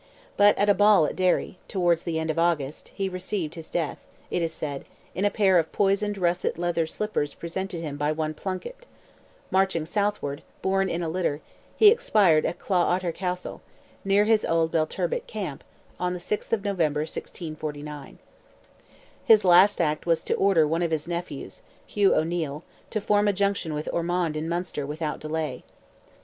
But at a ball at Derry, towards the end of August, he received his death, it is said, in a pair of poisoned russet leather slippers presented to him by one Plunkett; marching southward, borne in a litter, he expired at Clough Oughter Castle, near his old Belturbet camp, on the 6th of November, 1649. His last act was to order one of his nephews—Hugh O'Neil—to form a junction with Ormond in Munster without delay.